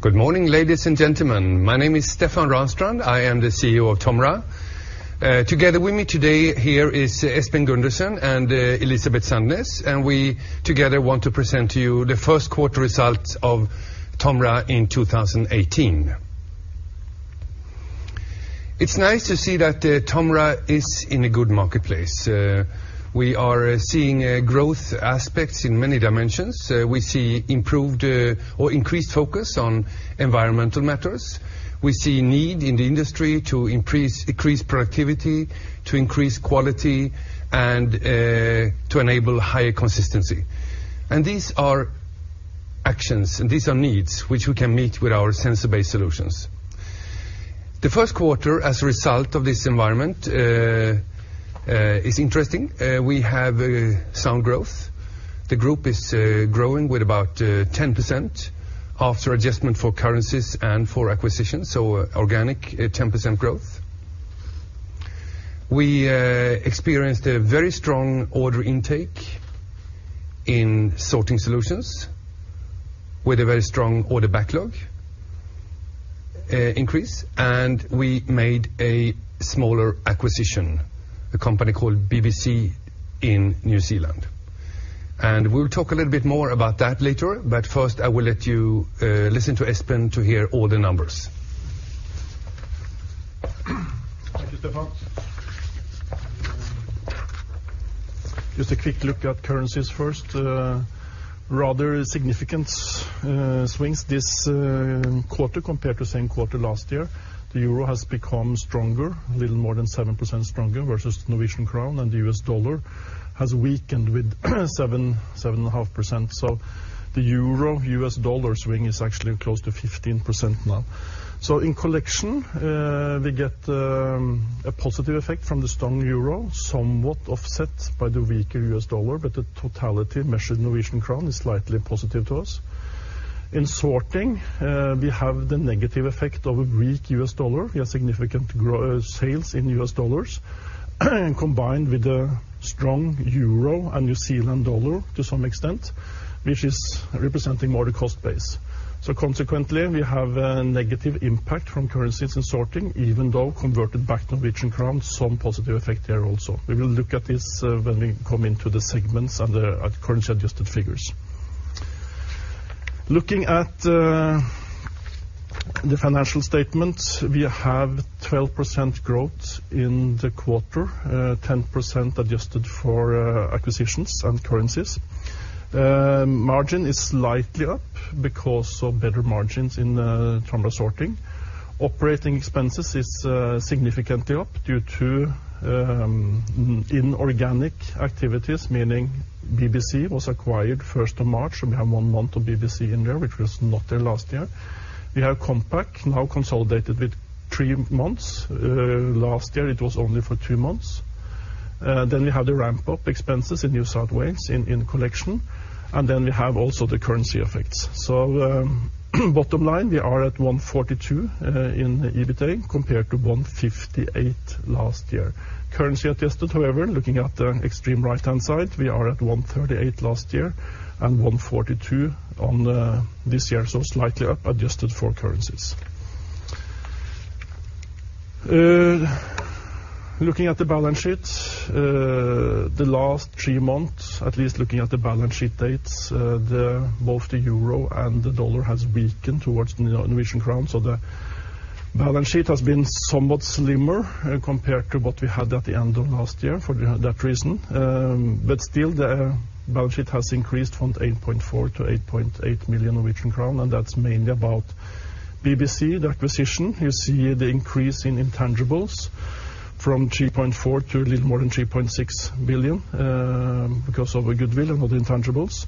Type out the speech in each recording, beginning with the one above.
Good morning, ladies and gentlemen. My name is Stefan Ranstrand. I am the CEO of Tomra. Together with me today here is Espen Gundersen and Elisabet Sandnes. We together want to present to you the first quarter results of Tomra in 2018. It is nice to see that Tomra is in a good marketplace. We are seeing growth aspects in many dimensions. We see increased focus on environmental matters. We see need in the industry to increase productivity, to increase quality, and to enable higher consistency. These are actions, and these are needs, which we can meet with our sensor-based solutions. The first quarter, as a result of this environment, is interesting. We have sound growth. The group is growing with about 10% after adjustment for currencies and for acquisition, so organic 10% growth. We experienced a very strong order intake in TOMRA Sorting with a very strong order backlog increase. We made a smaller acquisition, a company called BBC in New Zealand. We will talk a little bit more about that later. First, I will let you listen to Espen to hear all the numbers. Thank you, Stefan. Just a quick look at currencies first. Rather significant swings this quarter compared to same quarter last year. The euro has become stronger, a little more than 7% stronger versus NOK, the US dollar has weakened with 7.5%. The euro, US dollar swing is actually close to 15% now. In TOMRA Collection, we get a positive effect from the strong euro, somewhat offset by the weaker US dollar, the totality measured NOK is slightly positive to us. In TOMRA Sorting, we have the negative effect of a weak US dollar. We have significant sales in US dollars combined with a strong euro and New Zealand dollar to some extent, which is representing more the cost base. Consequently, we have a negative impact from currencies in TOMRA Sorting, even though converted back to NOK, some positive effect there also. We will look at this when we come into the segments and the currency-adjusted figures. Looking at the financial statement, we have 12% growth in the quarter, 10% adjusted for acquisitions and currencies. Margin is slightly up because of better margins in TOMRA Sorting. Operating expenses is significantly up due to inorganic activities, meaning BBC was acquired 1st of March. We have one month of BBC in there, which was not there last year. We have Compac now consolidated with three months. Last year it was only for two months. We have the ramp-up expenses in New South Wales in TOMRA Collection. We have also the currency effects. Bottom line, we are at 142 in the EBITDA compared to 158 last year. Currency-adjusted, however, looking at the extreme right-hand side, we are at 138 last year and 142 this year, so slightly up adjusted for currencies. Looking at the balance sheet, the last three months, at least looking at the balance sheet dates, both the euro and the dollar has weakened towards the Norwegian crown. So the balance sheet has been somewhat slimmer compared to what we had at the end of last year for that reason. But still, the balance sheet has increased from 8.4 billion to 8.8 billion Norwegian crown, and that's mainly about BBC, the acquisition. You see the increase in intangibles from 3.4 billion to a little more than 3.6 billion, because of the goodwill of the intangibles.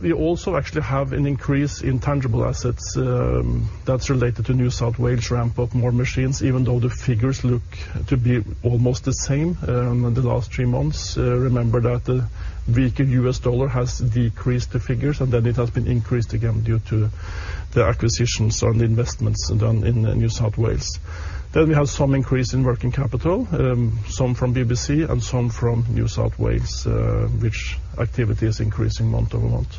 We also actually have an increase in tangible assets that's related to New South Wales ramp up more machines, even though the figures look to be almost the same in the last three months. Remember that the weaker US dollar has decreased the figures, and then it has been increased again due to the acquisitions and investments done in New South Wales. Then we have some increase in working capital, some from BBC and some from New South Wales, which activity is increasing month-over-month.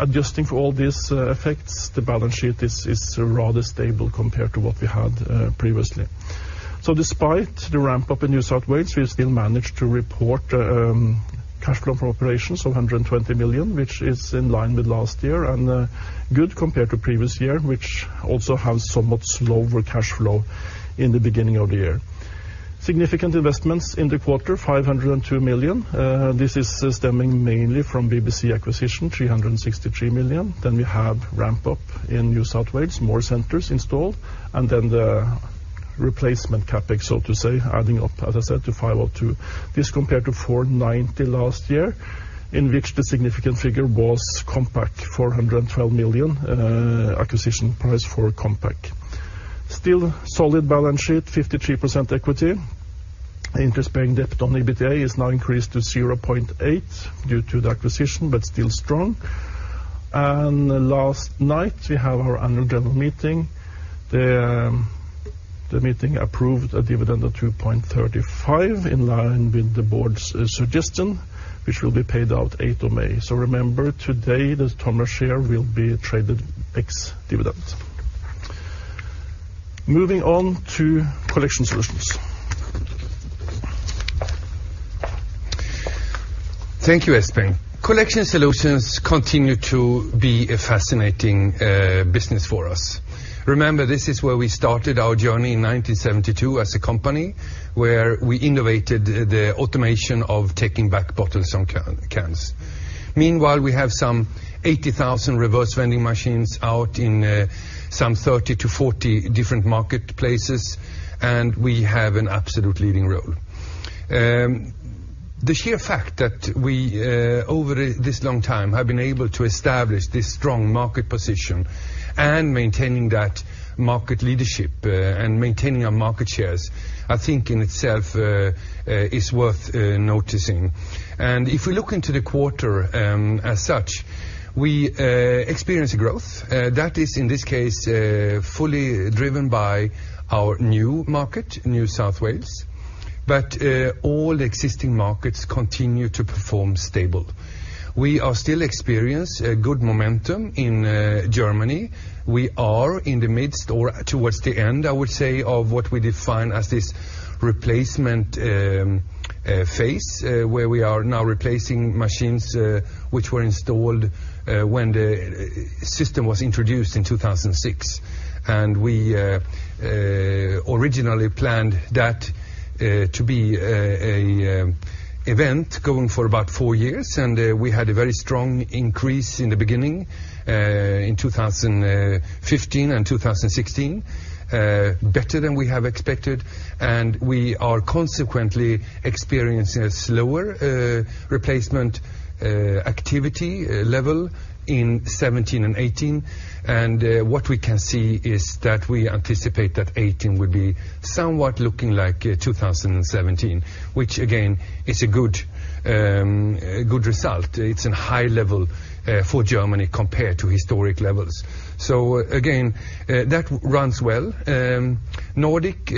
Adjusting for all these effects, the balance sheet is rather stable compared to what we had previously. So despite the ramp-up in New South Wales, we've still managed to report cash flow from operations of 120 million, which is in line with last year and good compared to previous year, which also has somewhat slower cash flow in the beginning of the year. Significant investments in the quarter, 502 million. This is stemming mainly from BBC acquisition, 363 million. Then we have ramp-up in New South Wales, more centers installed, and then the replacement CapEx, so to say, adding up, as I said, to 502 million. This compared to 490 million last year, in which the significant figure was Compac, 412 million acquisition price for Compac. Still solid balance sheet, 53% equity. Interest-paying debt on EBITDA is now increased to 0.8 due to the acquisition, but still strong. Last night we have our annual general meeting. The meeting approved a dividend of 2.35, in line with the board's suggestion, which will be paid out 8th of May. So remember, today, the Tomra share will be traded ex-dividend. Moving on to Collection Solutions. Thank you, Espen. TOMRA Collection continue to be a fascinating business for us. Remember, this is where we started our journey in 1972 as a company, where we innovated the automation of taking back bottles and cans. Meanwhile, we have some 80,000 reverse vending machines out in some 30 to 40 different marketplaces, and we have an absolute leading role. The sheer fact that we, over this long time, have been able to establish this strong market position and maintaining that market leadership, and maintaining our market shares, I think in itself is worth noticing. If we look into the quarter as such, we experience growth. That is, in this case, fully driven by our new market, New South Wales. All existing markets continue to perform stable. We are still experience a good momentum in Germany. We are in the midst or towards the end, I would say, of what we define as this replacement phase, where we are now replacing machines which were installed when the system was introduced in 2006. We originally planned that to be a event going for about four years, and we had a very strong increase in the beginning, in 2015 and 2016, better than we have expected, and we are consequently experiencing a slower replacement activity level in 2017 and 2018. What we can see is that we anticipate that 2018 will be somewhat looking like 2017, which again, is a good result. It's in high level for Germany compared to historic levels. Again, that runs well. Nordic,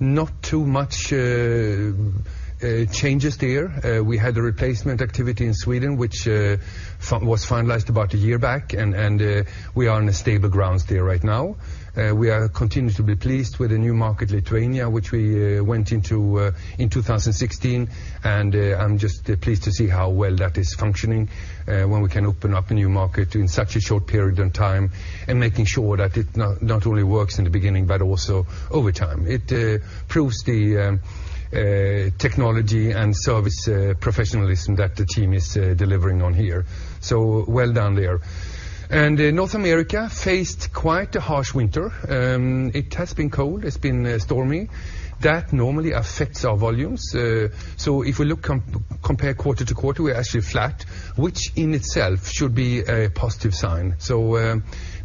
not too much changes there. We had a replacement activity in Sweden, which was finalized about a year back, and we are on a stable grounds there right now. We are continued to be pleased with the new market, Lithuania, which we went into in 2016, and I'm just pleased to see how well that is functioning, when we can open up a new market in such a short period in time, and making sure that it not only works in the beginning, but also over time. It proves the technology and service professionalism that the team is delivering on here. Well done there. North America faced quite a harsh winter. It has been cold, it's been stormy. That normally affects our volumes. If we compare quarter to quarter, we're actually flat, which in itself should be a positive sign.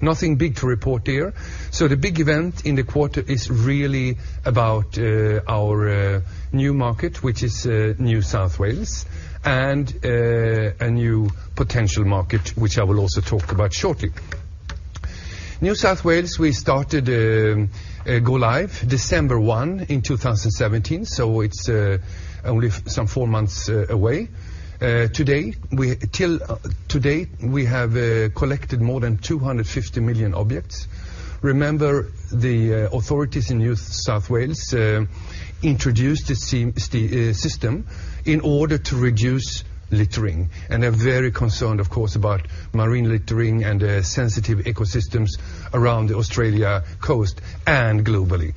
Nothing big to report there. The big event in the quarter is really about our new market, which is New South Wales, and a new potential market, which I will also talk about shortly. New South Wales, we started go live December 1 in 2017, so it's only some four months away. To date, we have collected more than 250 million objects. Remember, the authorities in New South Wales introduced the system in order to reduce littering, and are very concerned, of course, about marine littering and sensitive ecosystems around the Australia coast and globally.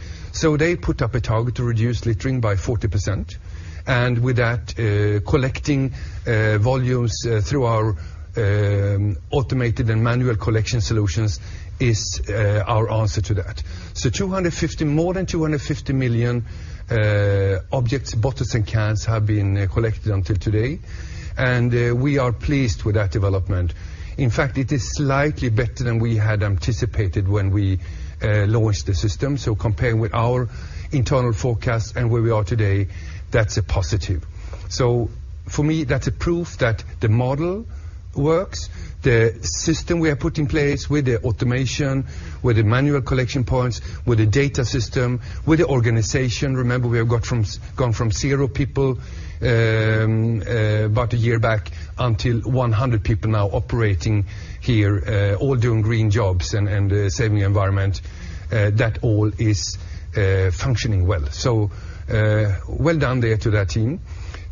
They put up a target to reduce littering by 40%, and with that, collecting volumes through our automated and manual collection solutions is our answer to that. More than 250 million objects, bottles, and cans have been collected until today, and we are pleased with that development. In fact, it is slightly better than we had anticipated when we launched the system. Comparing with our internal forecast and where we are today, that's a positive. For me, that's a proof that the model works, the system we have put in place with the automation, with the manual collection points, with the data system, with the organization. Remember, we have gone from zero people about a year back until 100 people now operating here, all doing green jobs and saving the environment. That all is functioning well. Well done there to that team.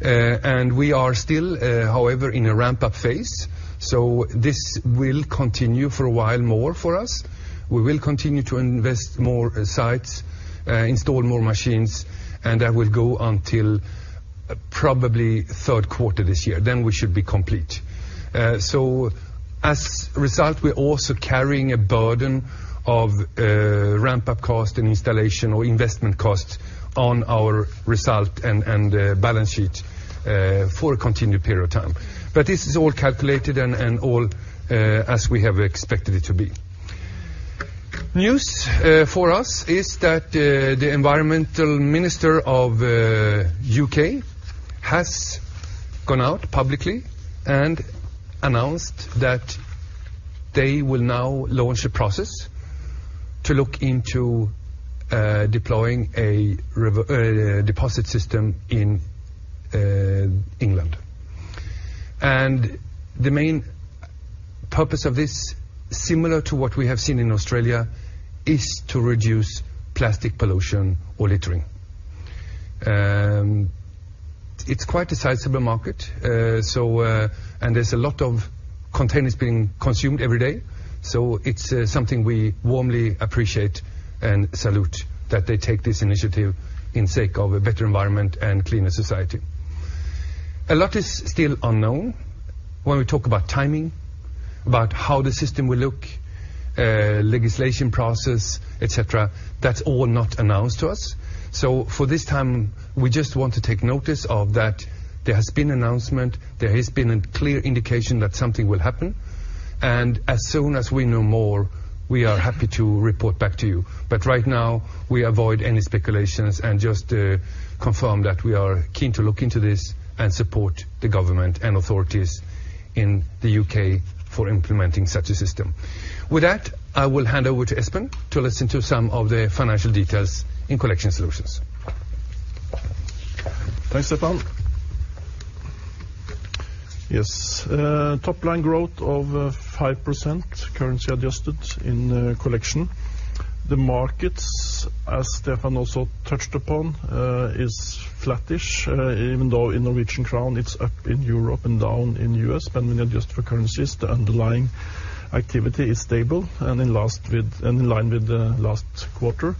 We are still, however, in a ramp-up phase, this will continue for a while more for us. We will continue to invest more sites, install more machines, and that will go until probably third quarter this year. We should be complete. As a result, we are also carrying a burden of ramp-up cost and installation or investment costs on our result and balance sheet for a continued period of time. But this is all calculated and all as we have expected it to be. News for us is that the environmental minister of the U.K. has gone out publicly and announced that they will now launch a process to look into deploying a deposit system in England. And the main purpose of this, similar to what we have seen in Australia, is to reduce plastic pollution or littering. It is quite a sizable market, and there is a lot of containers being consumed every day, so it is something we warmly appreciate and salute that they take this initiative in sake of a better environment and cleaner society. A lot is still unknown when we talk about timing, about how the system will look, legislation process, et cetera. That is all not announced to us. For this time, we just want to take notice of that there has been an announcement, there has been a clear indication that something will happen, and as soon as we know more, we are happy to report back to you. But right now, we avoid any speculations and just confirm that we are keen to look into this and support the government and authorities in the U.K. for implementing such a system. With that, I will hand over to Espen to listen to some of the financial details in TOMRA Collection. Thanks, Stefan. Yes. Top line growth of 5%, currency adjusted in TOMRA Collection. The markets, as Stefan also touched upon, is flattish, even though in NOK, it is up in Europe and down in the U.S., but when you adjust for currencies, the underlying activity is stable and in line with the last quarter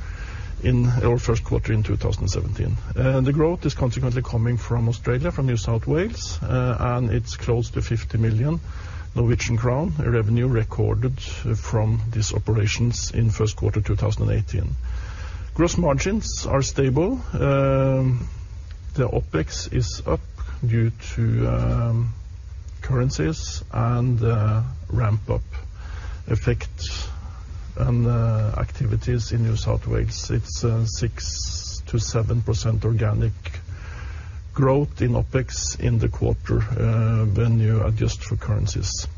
or first quarter in 2017. The growth is consequently coming from Australia, from New South Wales, and it is close to 50 million Norwegian crown revenue recorded from these operations in first quarter 2018. Gross margins are stable. The OpEx is up due to currencies and ramp-up effect and activities in New South Wales. It is 6%-7% organic growth in OpEx in the quarter when you adjust for currencies.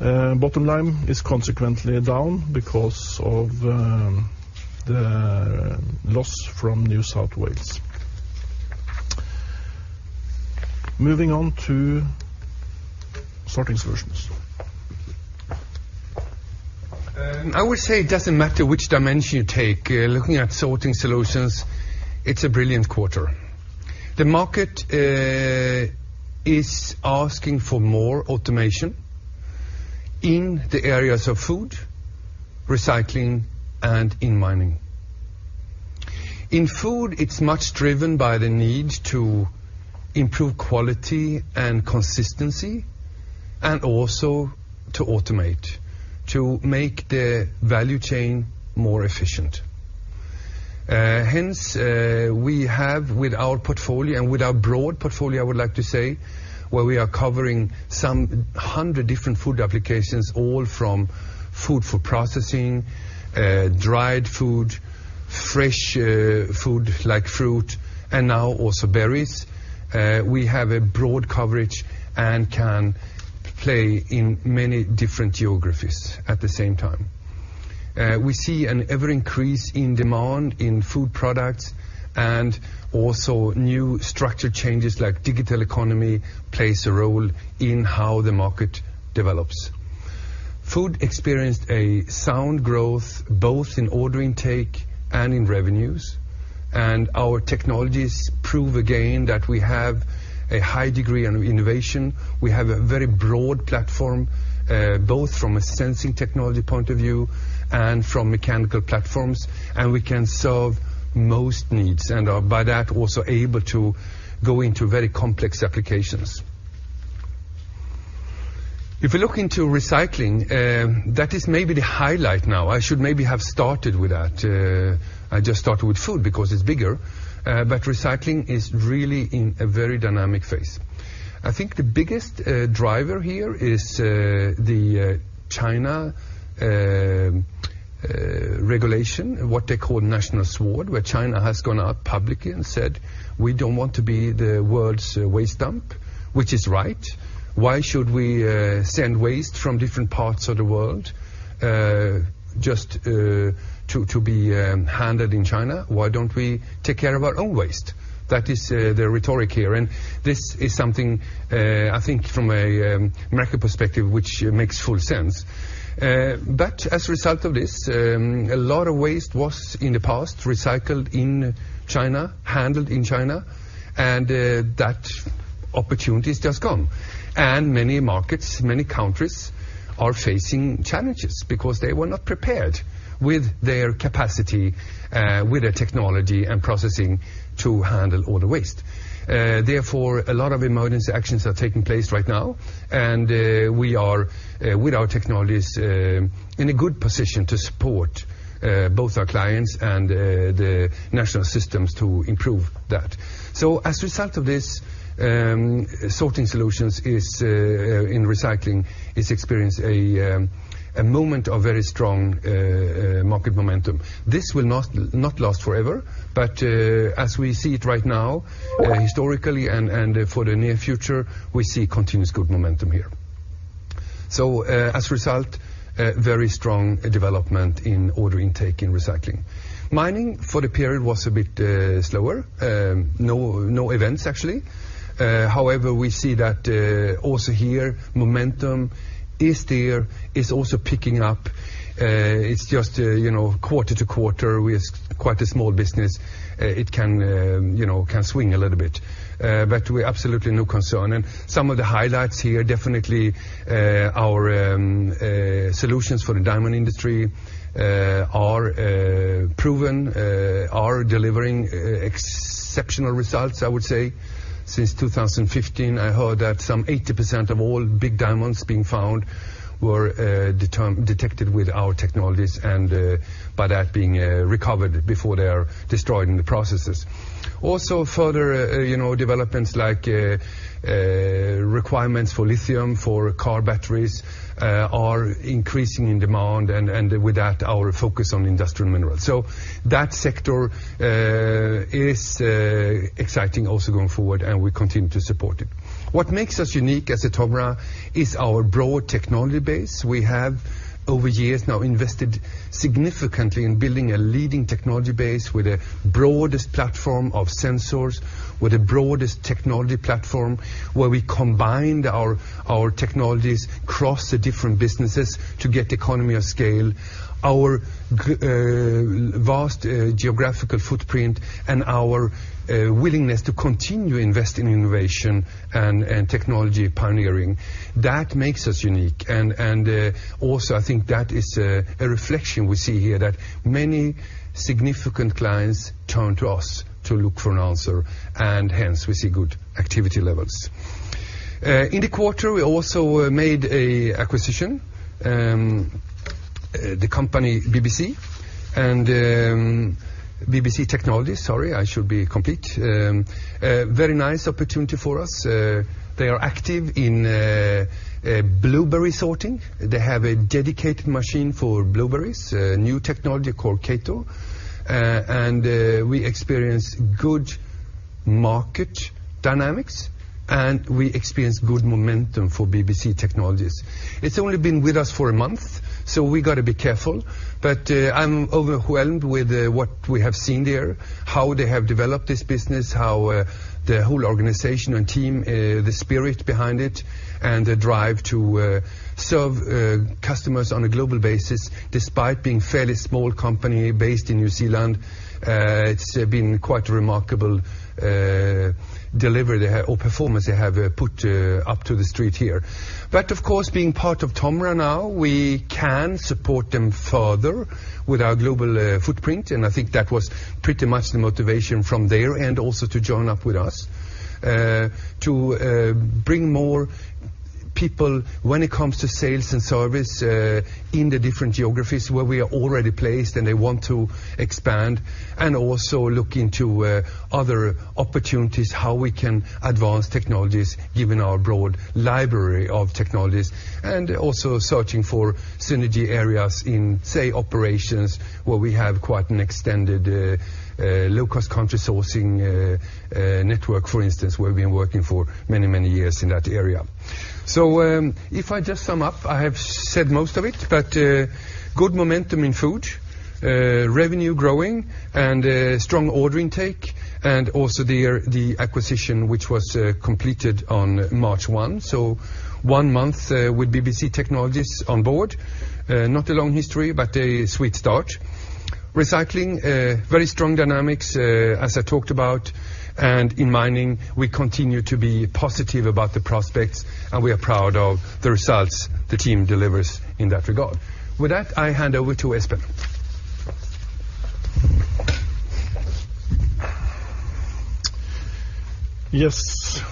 Bottom line is consequently down because of the loss from New South Wales. Moving on to TOMRA Sorting. I would say it does not matter which dimension you take, looking at TOMRA Sorting, it is a brilliant quarter. The market is asking for more automation in the areas of food, recycling, and in mining. In food, it is much driven by the need to improve quality and consistency, and also to automate, to make the value chain more efficient. Hence, we have with our portfolio, and with our broad portfolio, I would like to say, where we are covering some 100 different food applications, all from food for processing, dried food, fresh food like fruit, and now also berries. We have a broad coverage and can play in many different geographies at the same time. We see an ever increase in demand in food products and also new structure changes like digital economy plays a role in how the market develops. Food experienced a sound growth, both in order intake and in revenues. Our technologies prove again that we have a high degree of innovation. We have a very broad platform, both from a sensing technology point of view and from mechanical platforms, and we can solve most needs and are by that also able to go into very complex applications. If you look into recycling, that is maybe the highlight now. I should maybe have started with that. I just started with food because it's bigger. Recycling is really in a very dynamic phase. I think the biggest driver here is the China regulation, what they call National Sword, where China has gone out publicly and said, "We don't want to be the world's waste dump," which is right. Why should we send waste from different parts of the world just to be handled in China? Why don't we take care of our own waste? That is the rhetoric here, and this is something, I think from a macro perspective, which makes full sense. As a result of this, a lot of waste was, in the past, recycled in China, handled in China, and that opportunity has just gone. Many markets, many countries are facing challenges because they were not prepared with their capacity, with their technology and processing to handle all the waste. Therefore, a lot of emergency actions are taking place right now, and we are, with our technologies, in a good position to support both our clients and the national systems to improve that. As a result of this, Sorting Solutions in recycling is experiencing a moment of very strong market momentum. This will not last forever, as we see it right now, historically and for the near future, we see continuous good momentum here. As a result, very strong development in order intake in recycling. Mining for the period was a bit slower. No events, actually. However, we see that also here, momentum is there, is also picking up. It's just quarter-to-quarter, with quite a small business, it can swing a little bit. We absolutely have no concern. Some of the highlights here, definitely our solutions for the diamond industry are proven, are delivering exceptional results, I would say. Since 2015, I heard that some 80% of all big diamonds being found were detected with our technologies, and by that being recovered before they are destroyed in the processes. Also further developments like requirements for lithium for car batteries are increasing in demand, with that, our focus on industrial minerals. That sector is exciting also going forward, and we continue to support it. What makes us unique as Tomra is our broad technology base. We have, over years now, invested significantly in building a leading technology base with the broadest platform of sensors, with the broadest technology platform, where we combined our technologies across the different businesses to get economy of scale. Our vast geographical footprint and our willingness to continue investing in innovation and technology pioneering, that makes us unique. Also, I think that is a reflection we see here that many significant clients turn to us to look for an answer, hence we see good activity levels. In the quarter, we also made an acquisition. The company BBC, and BBC Technologies, sorry, I should be complete. A very nice opportunity for us. They are active in blueberry sorting. They have a dedicated machine for blueberries, a new technology called KATO. We experience good market dynamics, and we experience good momentum for BBC Technologies. It's only been with us for a month, so we got to be careful, but I'm overwhelmed with what we have seen there, how they have developed this business, how the whole organization and team, the spirit behind it, and the drive to serve customers on a global basis, despite being a fairly small company based in New Zealand. It's been quite a remarkable delivery or performance they have put up to the street here. Of course, being part of Tomra now, we can support them further with our global footprint, and I think that was pretty much the motivation from there, and also to join up with us, to bring more people when it comes to sales and service in the different geographies where we are already placed and they want to expand, and also look into other opportunities, how we can advance technologies given our broad library of technologies. Also searching for synergy areas in, say, operations, where we have quite an extended low-cost country sourcing network, for instance, where we've been working for many, many years in that area. If I just sum up, I have said most of it, but good momentum in food, revenue growing, and strong order intake, and also the acquisition, which was completed on March 1. One month with BBC Technologies on board. Not a long history, but a sweet start. Recycling, very strong dynamics, as I talked about. In mining, we continue to be positive about the prospects, and we are proud of the results the team delivers in that regard. With that, I hand over to Espen. Yes.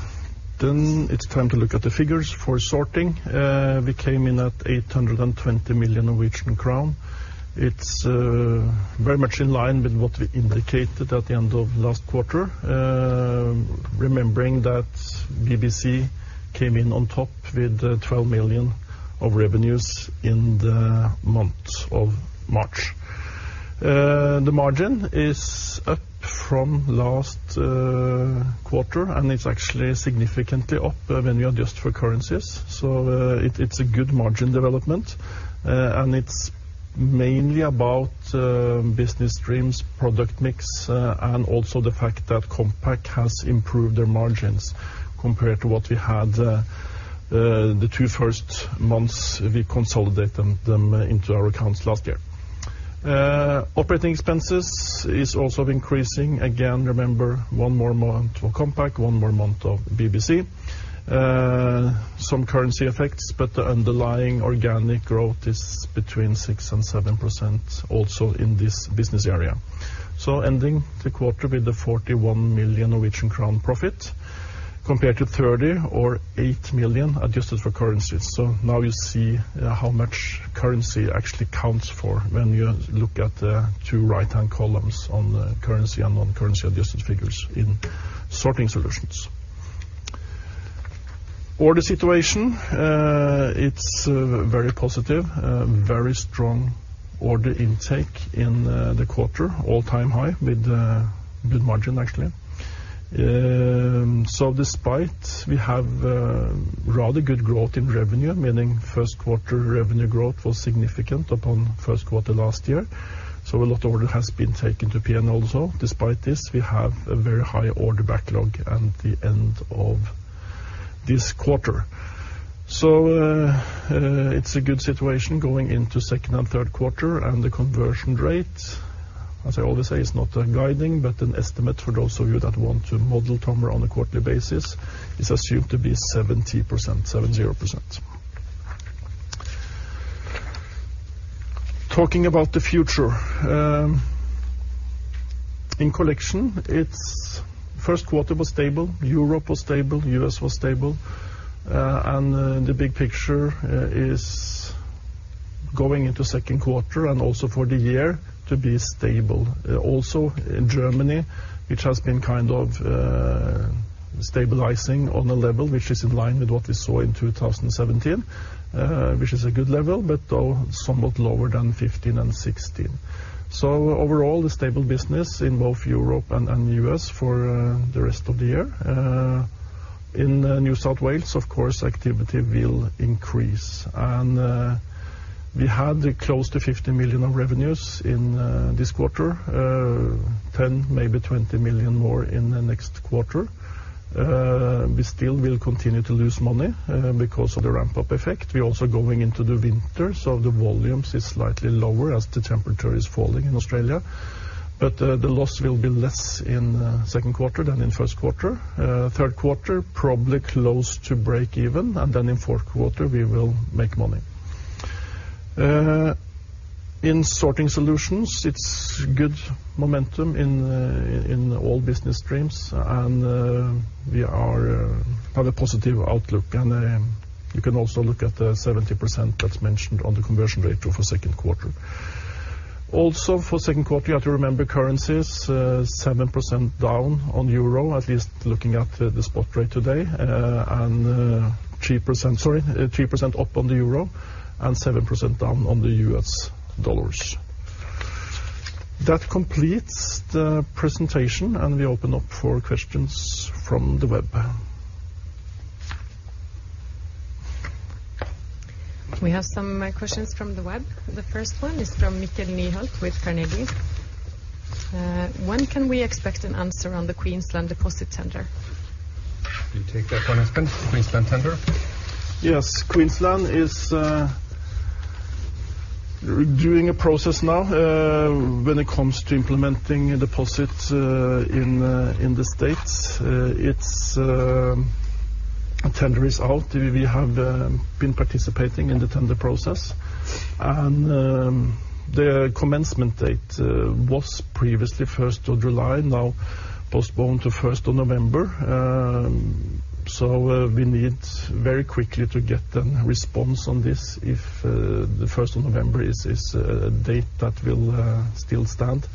It's time to look at the figures for sorting. We came in at 820 million Norwegian crown. It's very much in line with what we indicated at the end of last quarter, remembering that BBC came in on top with 12 million of revenues in the month of March. The margin is up from last quarter, and it's actually significantly up when you adjust for currencies. It's a good margin development. It's mainly about business streams, product mix, and also the fact that Compac has improved their margins compared to what we had the two first months we consolidated them into our accounts last year. Operating expenses is also increasing. Again, remember, one more month for Compac, one more month of BBC. Some currency effects, but the underlying organic growth is between 6%-7% also in this business area. Ending the quarter with 41 million Norwegian crown profit compared to 30 million or 8 million adjusted for currencies. Now you see how much currency actually counts for when you look at the two right-hand columns on the currency and non-currency adjusted figures in TOMRA Sorting. Order situation is very positive, very strong order intake in the quarter, all-time high with good margin, actually. Despite, we have rather good growth in revenue, meaning first quarter revenue growth was significant upon first quarter last year. A lot of order has been taken to P&L also. Despite this, we have a very high order backlog at the end of this quarter. It's a good situation going into second and third quarter. The conversion rate, as I always say, is not a guiding, but an estimate for those of you that want to model Tomra on a quarterly basis, is assumed to be 70%. Talking about the future. In TOMRA Collection, first quarter was stable, Europe was stable, U.S. was stable. The big picture is going into second quarter and also for the year to be stable. Also in Germany, which has been kind of stabilizing on a level which is in line with what we saw in 2017, which is a good level, but somewhat lower than 2015 and 2016. Overall, a stable business in both Europe and U.S. for the rest of the year. In New South Wales, of course, activity will increase. We had close to 50 million of revenues in this quarter, 10 million, maybe 20 million more in the next quarter. We still will continue to lose money because of the ramp-up effect. We're also going into the winter, so the volumes is slightly lower as the temperature is falling in Australia. The loss will be less in second quarter than in first quarter. Third quarter, probably close to break even. In fourth quarter, we will make money. In TOMRA Sorting, it's good momentum in all business streams, and we have a positive outlook. You can also look at the 70% that's mentioned on the conversion rate for second quarter. Also for second quarter, you have to remember currencies, 7% down on EUR, at least looking at the spot rate today. 3% up on the EUR and 7% down on the USD. That completes the presentation. We open up for questions from the web. We have some questions from the web. The first one is from Mikkel Nyholt with Carnegie. When can we expect an answer on the Queensland deposit tender? You take that one, Espen? Queensland tender? Yes, Queensland is doing a process now when it comes to implementing deposits in the states. Its tender is out. We have been participating in the tender process. The commencement date was previously 1st of July, now postponed to 1st of November. We need very quickly to get a response on this if the 1st of November is a date that will still stand.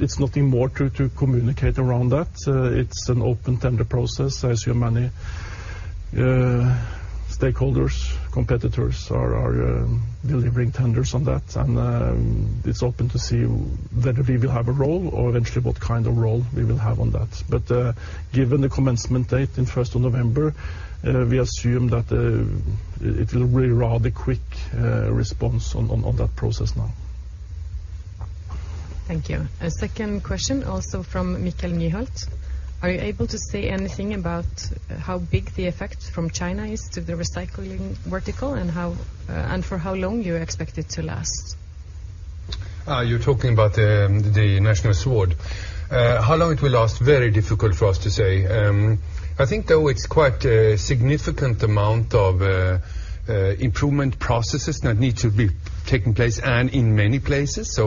It's nothing more to communicate around that. It's an open tender process as you have many stakeholders, competitors are delivering tenders on that. It's open to see whether we will have a role or eventually what kind of role we will have on that. Given the commencement date in 1st of November, we assume that it will be rather quick response on that process now. Thank you. A second question also from Mikkel Nyholt. Are you able to say anything about how big the effect from China is to the recycling vertical and for how long you expect it to last? You're talking about the National Sword. How long it will last? Very difficult for us to say. I think, though, it's quite a significant amount of improvement processes that need to be taking place and in many places.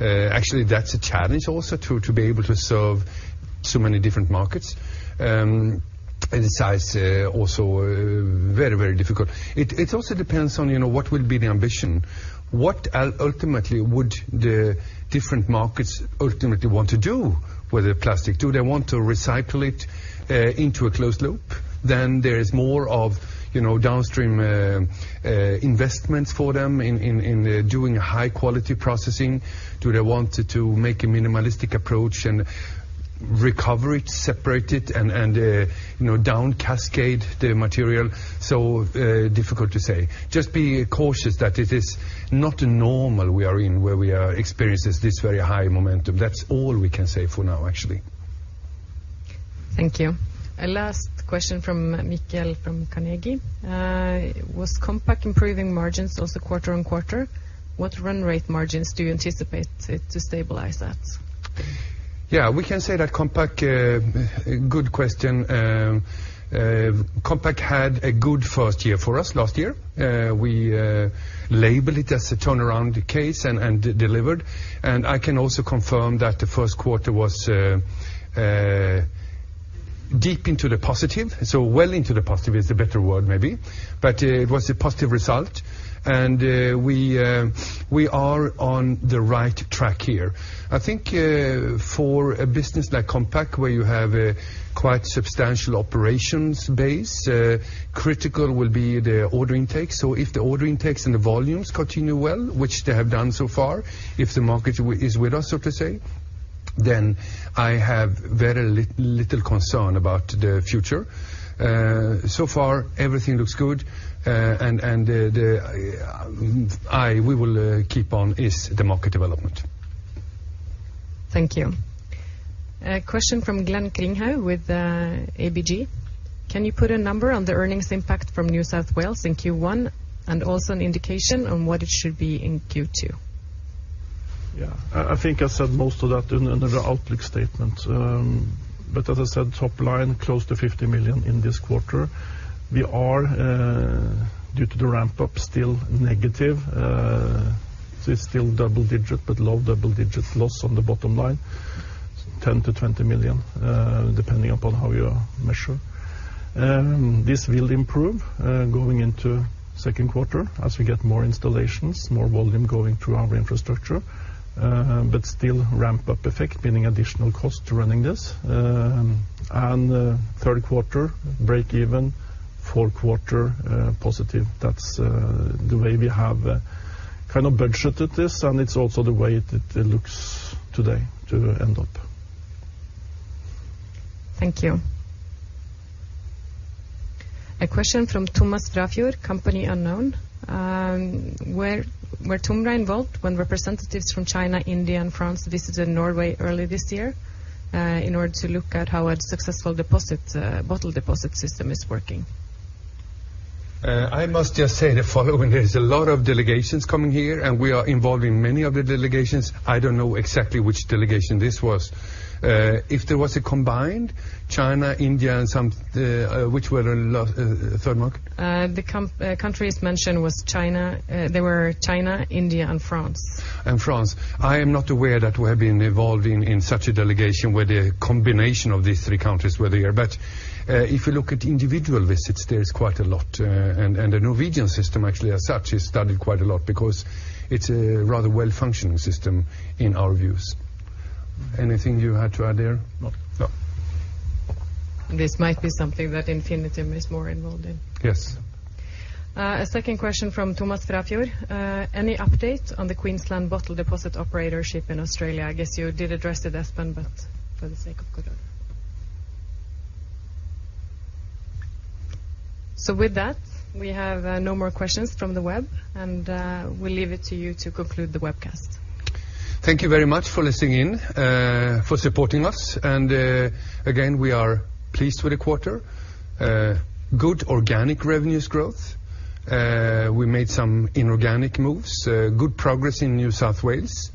Actually that's a challenge also to be able to serve so many different markets. The size also very difficult. It also depends on what will be the ambition. What ultimately would the different markets ultimately want to do with their plastic? Do they want to recycle it into a closed loop? There is more of downstream investments for them in doing high quality processing. Do they want to make a minimalistic approach and recover it, separate it, and down cascade the material? Difficult to say. Just be cautious that it is not normal we are in where we are experiencing this very high momentum. That's all we can say for now, actually. Thank you. A last question from Mikkel from Carnegie. Was Compac improving margins also quarter-on-quarter? What run rate margins do you anticipate it to stabilize at? Yeah, we can say that Compac. Good question. Compac had a good first year for us last year. We labeled it as a turnaround case and delivered. I can also confirm that the first quarter was deep into the positive, so well into the positive is the better word, maybe. It was a positive result. We are on the right track here. I think for a business like Compac where you have a quite substantial operations base, critical will be the order intake. If the order intakes and the volumes continue well, which they have done so far, if the market is with us, so to say. I have very little concern about the future. So far, everything looks good, we will keep on with the market development. Thank you. A question from Glenn Gredsted with ABG. Can you put a number on the earnings impact from New South Wales in Q1, also an indication on what it should be in Q2? Yeah. I think I said most of that in the outlook statement. As I said, top line close to 50 million in this quarter. We are, due to the ramp-up, still negative. It's still double-digit, but low double-digit loss on the bottom line, 10 million-20 million, depending upon how you measure. This will improve going into second quarter as we get more installations, more volume going through our infrastructure. Still ramp-up effect, meaning additional cost to running this. Third quarter, break even, fourth quarter, positive. That's the way we have budgeted this, and it's also the way it looks today to end up. Thank you. A question from Thomas Frafjord, company unknown. Were TOMRA involved when representatives from China, India, and France visited Norway early this year, in order to look at how a successful bottle deposit system is working? I must just say the following. There's a lot of delegations coming here, we are involved in many of the delegations. I don't know exactly which delegation this was. If there was a combined China, India, and some, which were the last, third market? The countries mentioned were China, India, and France. France. I am not aware that we have been involved in such a delegation where the combination of these three countries were here. If you look at individual visits, there is quite a lot. The Norwegian system actually as such is studied quite a lot because it's a rather well-functioning system in our views. Anything you had to add there? No. No. This might be something that Infinitum is more involved in. Yes. A second question from Thomas Frafjord. Any update on the Queensland bottle deposit operatorship in Australia? I guess you did address it, Espen, but for the sake of clarity. With that, we have no more questions from the web, and we leave it to you to conclude the webcast. Thank you very much for listening in, for supporting us. Again, we are pleased with the quarter. Good organic revenues growth. We made some inorganic moves. Good progress in New South Wales.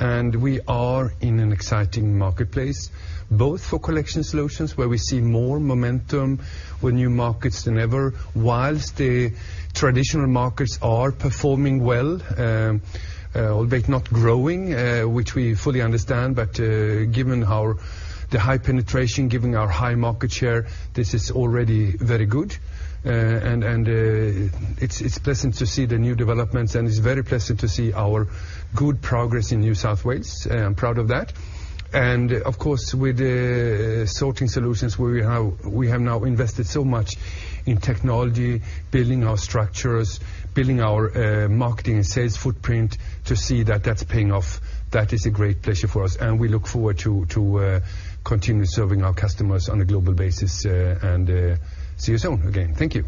We are in an exciting marketplace, both for collection solutions, where we see more momentum with new markets than ever, whilst the traditional markets are performing well. Albeit not growing, which we fully understand, but given our high penetration, given our high market share, this is already very good. It's pleasant to see the new developments, and it's very pleasant to see our good progress in New South Wales. I am proud of that. Of course, with the sorting solutions, where we have now invested so much in technology, building our structures, building our marketing and sales footprint to see that that's paying off. That is a great pleasure for us, and we look forward to continue serving our customers on a global basis, and see you soon again. Thank you.